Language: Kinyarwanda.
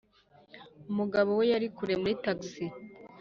umugabo we yari kure muri texas -